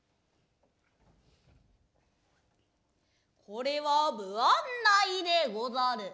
これは不案内でござる。